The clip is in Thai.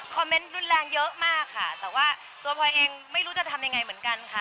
เมนต์รุนแรงเยอะมากค่ะแต่ว่าตัวพลอยเองไม่รู้จะทำยังไงเหมือนกันค่ะ